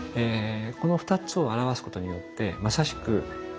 この２つを表すことによってまさしく静と動。